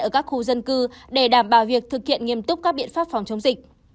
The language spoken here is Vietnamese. ở các khu dân cư để đảm bảo việc thực hiện nghiêm túc các biện pháp phòng chống dịch